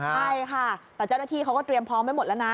ใช่ค่ะแต่เจ้าหน้าที่เขาก็เตรียมพร้อมไว้หมดแล้วนะ